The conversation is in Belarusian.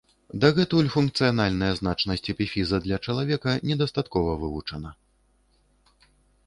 Дагэтуль функцыянальная значнасць эпіфіза для чалавека недастаткова вывучана.